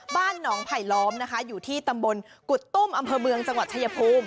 บ้านหนองไผลล้อมนะคะอยู่ที่ตำบลกุดตุ้มอำเภอเมืองจังหวัดชายภูมิ